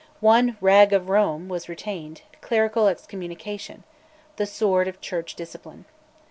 One "rag of Rome" was retained, clerical excommunication the Sword of Church Discipline.